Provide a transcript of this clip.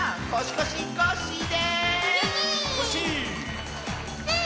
コッシー！